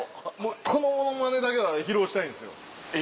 このものまねだけは披露したいんですよ。